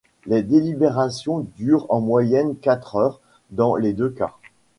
Les délibérations durent en moyenne quatre heures dans les deux cas.